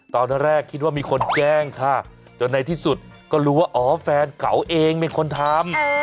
ตอนแรกคิดว่ามีคนแจ้งค่ะจนในที่สุดก็รู้ว่าอ๋อแฟนเก่าเองเป็นคนทำ